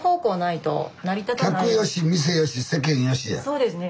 そうですね。